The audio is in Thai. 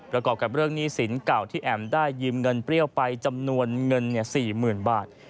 ประกอบกับเรื่องหนี้สินเก่าที่แอ๋มได้ยืมเงินเปรี้ยวไปจำนวนเงิน๔๐๐๐บาท